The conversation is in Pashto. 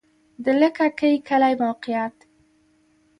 د لکه کی کلی موقعیت